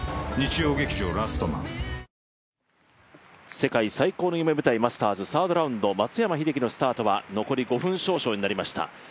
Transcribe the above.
世界最高の夢舞台マスターズサードラウンド、松山英樹のスタートは残り５分少々になりました。